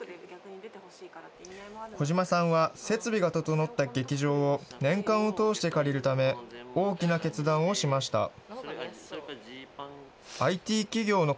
児島さんは、設備が整った劇場を、年間を通して借りるため、大きな決断をしました。